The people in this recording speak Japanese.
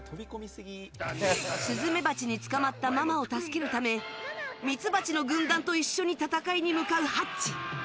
スズメバチに捕まったママを助けるためミツバチの軍団と一緒に戦いに向かうハッチ。